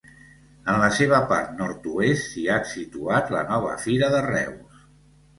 En la seva part nord-oest s'hi ha situat la nova Fira de Reus.